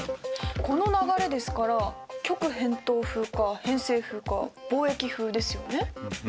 この流れですから極偏東風か偏西風か貿易風ですよね。